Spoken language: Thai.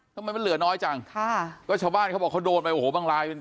ทำไมมันเหลือน้อยจังค่ะก็ชาวบ้านเขาบอกเขาโดนไปโอ้โหบางลายเป็น